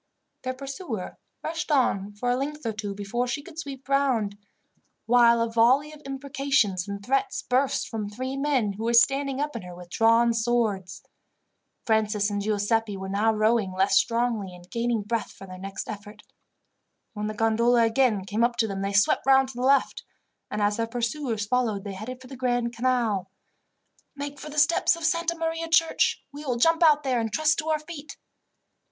Their pursuer rushed on for a length or two before she could sweep round, while a volley of imprecations and threats burst from three men who were standing up in her with drawn swords. Francis and Giuseppi were now rowing less strongly, and gaining breath for their next effort. When the gondola again came up to them they swept round to the left, and as their pursuers followed they headed for the Grand Canal. "Make for the steps of Santa Maria church. We will jump out there and trust to our feet."